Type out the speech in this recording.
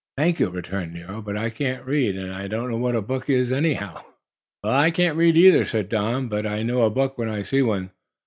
"Thank you," returned Nero. "But I can't read, and I don't know what a book is, anyhow." "Well, I can't read, either," said Don. "But I know a book when I see one.